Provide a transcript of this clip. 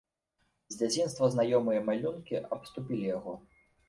З дзяцінства знаёмыя малюнкі абступілі яго.